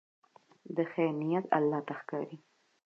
د خیر نیت الله ته ښکاري.